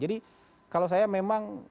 jadi kalau saya memang